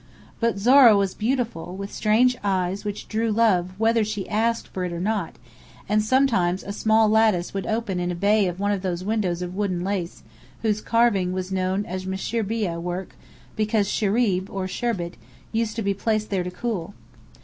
But Zohra was beautiful, with strange eyes which drew love whether she asked for it or not; and sometimes a small lattice would open in a bay of one of those windows of wooden lace whose carving was known as mushrbiyeh work because shirib, or sherbet, used to be placed there to cool.